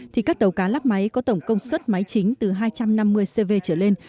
thì các tàu cá lắp máy có tổng công suất máy chính từ hai trăm năm mươi cv trở lên